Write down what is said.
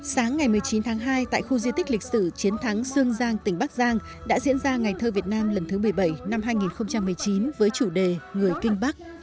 sáng ngày một mươi chín tháng hai tại khu di tích lịch sử chiến thắng sương giang tỉnh bắc giang đã diễn ra ngày thơ việt nam lần thứ một mươi bảy năm hai nghìn một mươi chín với chủ đề người kinh bắc